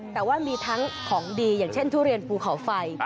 แต่ว่ามีทั้งของดีอย่างเช่นทุเรียนภูเขาไฟ